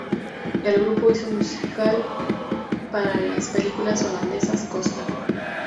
El grupo hizo música para las películas holandesas "Costa!